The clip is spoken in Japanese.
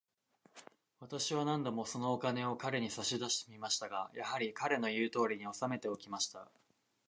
私は何度も、そのお金を彼に差し出してみましたが、やはり、彼の言うとおりに、おさめておきました。